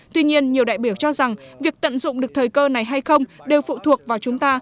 tuy nhiên nhiều đại biểu cho rằng việc tận dụng được thời cơ này hay không đều phụ thuộc vào chúng ta